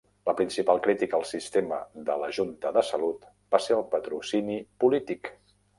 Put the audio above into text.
La principal crítica al sistema de la junta de salut va ser el patrocini polític.